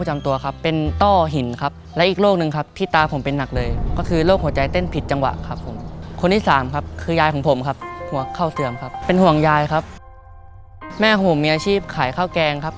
แม่ผมมีอาชีพขายข้าวแกงครับ